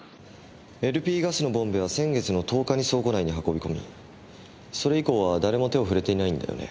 ＬＰガスのボンベは先月の１０日に倉庫内に運び込みそれ以降は誰も手を触れていないんだよね？